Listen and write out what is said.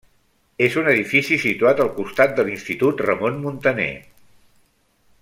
És un edifici situat al costat de l'institut Ramon Muntaner.